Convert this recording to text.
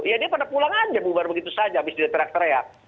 ya dia pada pulang saja bu baru begitu saja habis dia teriak teriak